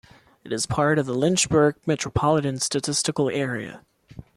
It is part of the Lynchburg Metropolitan Statistical Area.